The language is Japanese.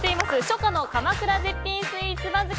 初夏の鎌倉絶品スイーツ番付